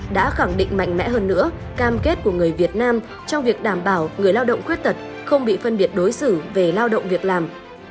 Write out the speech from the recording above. đã khẳng định mạnh mẽ hơn nữa cam kết của người việt nam trong việc đảm bảo người lao động khuyết tật không bị phân biệt đối xử về lao động việc làm